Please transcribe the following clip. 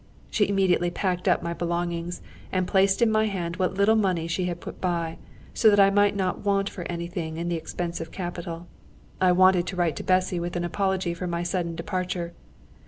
She immediately packed up my belongings and placed in my hand what little money she had put by, so that I might not want for anything in the expensive capital. I wanted to write to Bessy with an apology for my sudden departure.